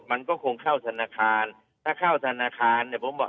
มันก็คงเข้าธนาคารถ้าเข้าธนาคารเนี่ยผมบอก